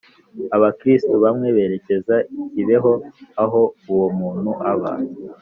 abakristu bamwe berekeza i kibeho aho uwomuntu aba